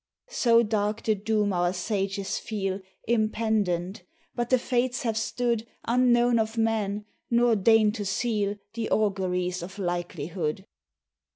So dark the doom our sages feel Impendent; but the Fates have stood Unknown of man, nor deign to seal The auguries of likelihood.